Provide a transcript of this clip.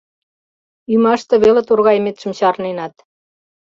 Ӱмаште веле торгайыметшым чарненат.